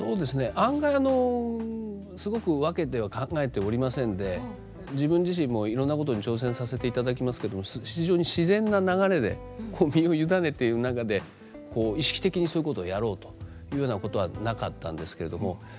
案外すごく分けては考えておりませんで自分自身もいろんなことに挑戦させていただきますけども非常に自然な流れでこう身を委ねている中で意識的にそういうことをやろうというようなことはなかったんですけれども。